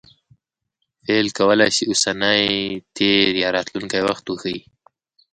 فعل کولای سي اوسنی، تېر یا راتلونکى وخت وښيي.